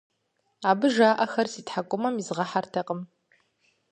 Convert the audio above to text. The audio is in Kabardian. Абы жаӏэхэр си тхьэкӀумэм изгъэхьэртэкъым.